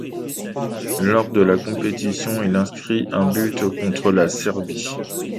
Lors de la compétition, il inscrit un but contre la Serbie.